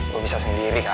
gue bisa sendiri kali